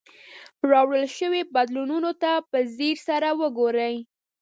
راوړل شوي بدلونونو ته په ځیر سره وګورئ.